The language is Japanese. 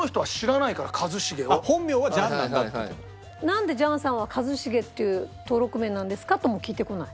「なんでジャンさんは一茂っていう登録名なんですか」とも聞いてこない？